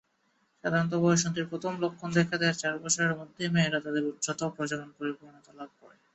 সাধারণত বয়ঃসন্ধির প্রথম লক্ষণ দেখা দেয়ার চার বছরের মধ্যেই মেয়েরা তাদের উচ্চতা ও প্রজনন পরিপূর্ণতা লাভ করে।